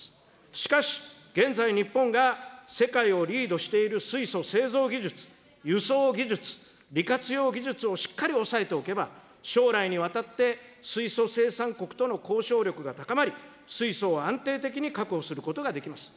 しかし、現在、日本が世界をリードしている水素製造技術、輸送技術、利活用技術をしっかりおさえておけば、将来にわたって、水素生産国との交渉力が高まり、水素を安定的に確保することができます。